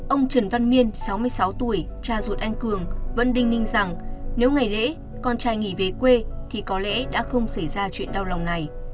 ông trần văn miên sáu mươi sáu tuổi cha ruột anh cường vẫn đinh ninh rằng nếu ngày lễ con trai nghỉ về quê thì có lẽ đã không xảy ra chuyện đau lòng này